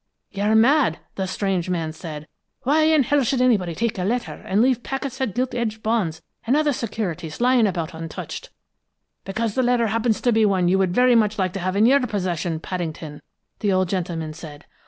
"'You're mad!' the strange man said. 'Why in h l should anybody take a letter, and leave packets of gilt edged bonds and other securities lying about untouched?' "'Because the letter happens to be one you would very much like to have in your possession, Paddington,' the old gentleman said.